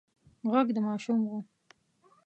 غږ د ماشوم و.